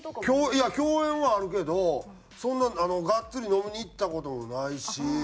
いや共演はあるけどそんながっつり飲みに行った事もないし。